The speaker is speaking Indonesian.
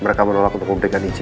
mereka menolak untuk memberikan izin